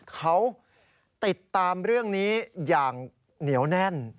เขาติดตามเรื่องนี้อย่างเหนียวแน่น